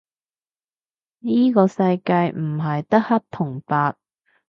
依個世界唔係得黑同白